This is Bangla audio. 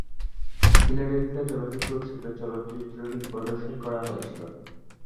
ফিলাডেলফিয়া চলচ্চিত্র উৎসবে চলচ্চিত্রটি প্রদর্শন করা হয়েছিল।